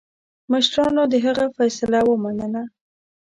مشرانو د هغه فیصله ومنله.